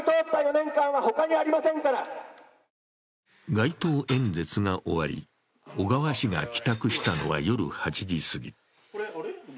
街頭演説が終わり、小川氏が帰宅したのは夜８時すぎ。